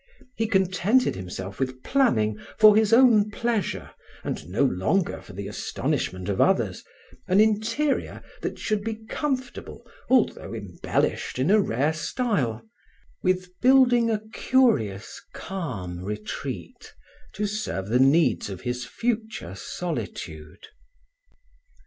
He contented himself with planning, for his own pleasure, and no longer for the astonishment of others, an interior that should be comfortable although embellished in a rare style; with building a curious, calm retreat to serve the needs of his future solitude.